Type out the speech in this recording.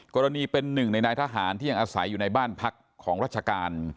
กรณีเป็นหนึ่งในนายทหารที่ยังอาศัยอยู่ในบ้านพักของราชการ